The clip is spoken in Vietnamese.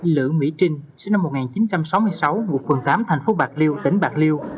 lữ mỹ trinh sinh năm một nghìn chín trăm sáu mươi sáu ngụ phường tám thành phố bạc liêu tỉnh bạc liêu